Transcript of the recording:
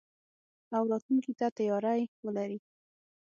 او راتلونکي ته تياری ولري.